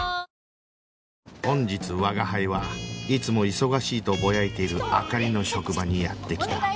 本日吾輩はいつも忙しいとボヤいている灯の職場にやって来た